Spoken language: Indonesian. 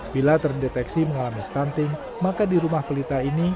bila terdeteksi mengalami stunting maka di rumah pelita ini